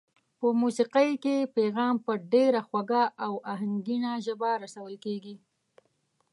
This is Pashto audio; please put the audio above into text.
په موسېقۍ کې پیغام په ډېره خوږه او آهنګینه ژبه رسول کېږي.